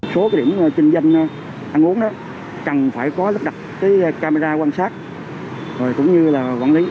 số điểm trình danh ăn uống cần phải có lắp đặt camera quan sát cũng như là quản lý